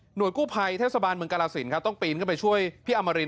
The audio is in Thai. หน่วยกู้ไพทธิสบาลเมืองกราศิลป์ต้องปีนเข้าไปช่วยพี่อำมาริน